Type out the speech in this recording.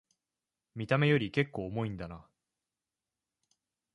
見た目よりけっこう重いんだな